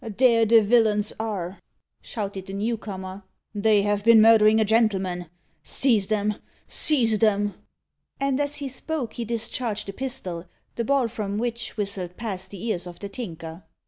"There the villains are!" shouted the new comer. "They have been murderin' a gentleman. Seize 'em seize 'em!" And, as he spoke, he discharged a pistol, the ball from which whistled past the ears of the Tinker.